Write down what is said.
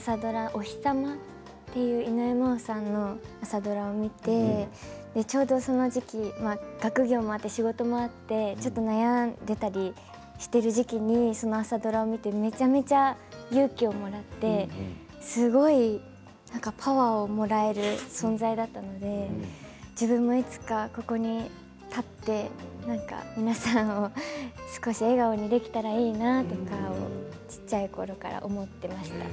「おひさま」という井上真央さんの朝ドラを見てちょうどその時期学業もあって仕事もあってちょっと悩んでいたりしている時期にその朝ドラを見てめちゃめちゃ勇気をもらってすごいすごいパワーをもらえる存在なので自分も、いつかここに立ってなんか皆さんを少し笑顔にできたらいいなとか小っちゃいころから思ってました。